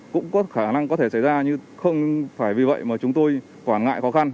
cũng có khả năng có thể xảy ra nhưng không phải vì vậy mà chúng tôi quản ngại khó khăn